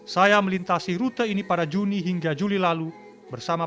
saya melintasi rute ini pada juni hingga juli lalu bersama pelabuhan yang berada di jalur rempah